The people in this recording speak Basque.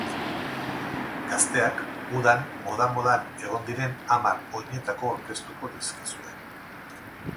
Gazteak udan moda-modan egongo diren hamar oinetako aurkeztuko dizkizue.